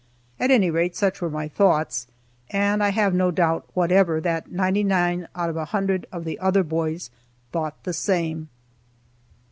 At any rate, such were my thoughts, and I have no doubt whatever that ninety nine out of a hundred of the other boys thought the same.